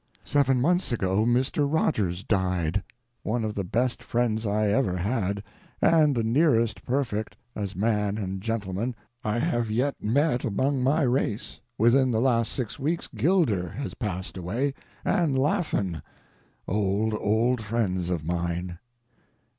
Seven months ago Mr. Rogers died—one of the best friends I ever had, and the nearest perfect, as man and gentleman, I have yet met among my race; within the last six weeks Gilder has passed away, and Laffan—old, old friends of mine.